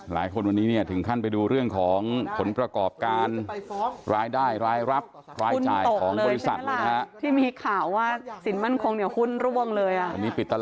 ๑๗๖ล้านบาท